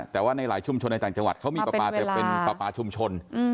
แต่ว่าในหลายชุมชนในต่างจังหวัดเขามีปลาปลาแต่เป็นปลาปลาชุมชน